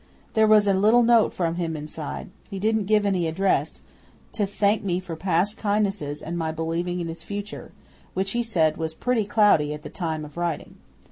There was a little note from him inside he didn't give any address to thank me for past kindnesses and my believing in his future, which he said was pretty cloudy at the time of writing.